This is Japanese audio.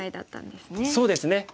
そうですね。